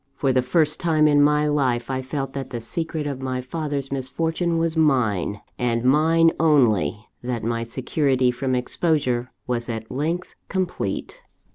For the first time in my life, I felt that the secret of my father's misfortune was mine, and mine only; that my security from exposure was at length complete.